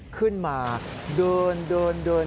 ขึ้นมาเดินเดินเดิน